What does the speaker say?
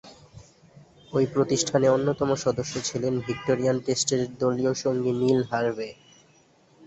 ঐ প্রতিষ্ঠানে অন্যতম সদস্য ছিলেন ভিক্টোরিয়ান টেস্টের দলীয় সঙ্গী নীল হার্ভে।